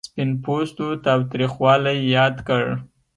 سپین پوستو تاوتریخوالی یاد کړ.